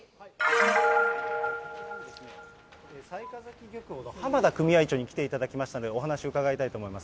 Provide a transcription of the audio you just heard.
雑賀崎漁協の濱田組合長に来ていただきましたので、お話を伺いたいと思います。